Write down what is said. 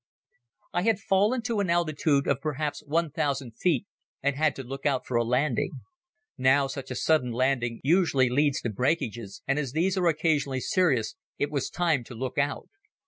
I had fallen to an altitude of perhaps one thousand feet and had to look out for a landing. Now such a sudden landing usually leads to breakages and as these are occasionally serious it was time to look out.